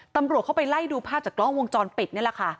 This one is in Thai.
ตำรวจเข้าไปไล่ดูภาพจากกล้องวงจรปิดนี่แหละค่ะ